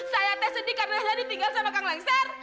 saya tak sedih karena saya ditinggal sama kang lengser